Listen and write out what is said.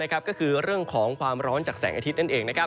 ก็คือเรื่องของความร้อนจากแสงอาทิตย์นั่นเอง